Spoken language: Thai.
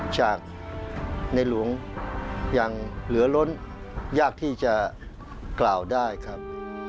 จากในหลวงยังเหลือล้นยากที่จะกล่าวได้ครับ